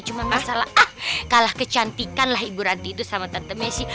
cuma masalah kalah kecantikan lah ibu ranti itu sama tante messi